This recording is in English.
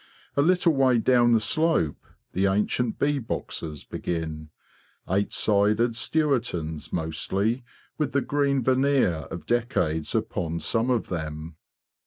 A little way down the slope the ancient bee boxes begin, eight sided Stewartons mostly, with the green veneer of decades upon some of them.